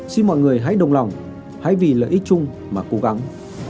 xin mọi người hãy đồng lòng hãy vì lợi ích chung mà cố gắng